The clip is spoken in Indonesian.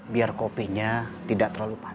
biar kopinya tidak terlalu panas